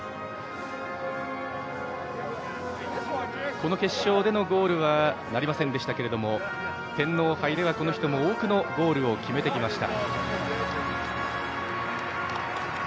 この決勝でのゴールはなりませんでしたが天皇杯では、この人も多くのゴールを決めてきました。